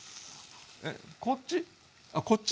こっち？